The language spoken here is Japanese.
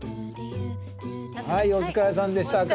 はいお疲れさんでした。